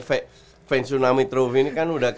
tsunami trophy tsunami trophy makanya gue beneran fek